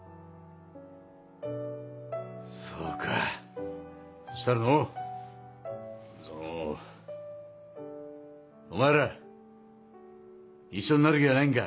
そうかそしたらのうそのお前ら一緒になる気はないんか。